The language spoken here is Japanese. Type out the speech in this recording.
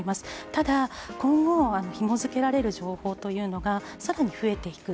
ただ今後、ひもづけられる情報というのが更に増えていく。